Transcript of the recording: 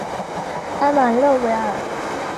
埃马勒维尔。